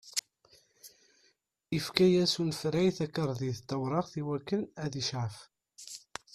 Ifka-yas unefray takarḍit tawraɣt i wakken ad icɛef.